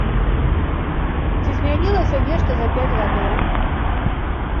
Ці змянілася нешта за пяць гадоў?